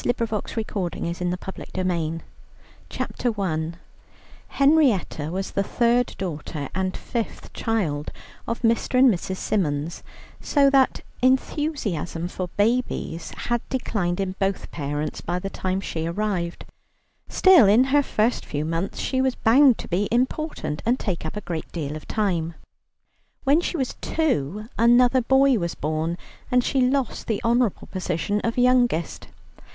JOHN MASEFIELD, 1913 THE THIRD MISS SYMONS CHAPTER I Henrietta was the third daughter and fifth child of Mr. and Mrs. Symons, so that enthusiasm for babies had declined in both parents by the time she arrived. Still, in her first few months she was bound to be important and take up a great deal of time. When she was two, another boy was born, and she lost the honourable position of youngest.